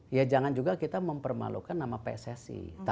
ya jangan juga kita mempermalukan nama pssi